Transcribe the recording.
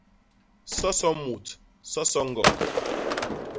Soso mut, soso ñgok.